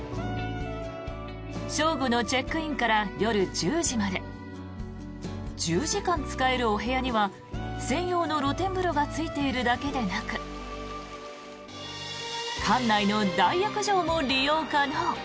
正午のチェックインから夜１０時まで１０時間使えるお部屋には専用の露天風呂がついているだけでなく館内の大浴場も利用可能。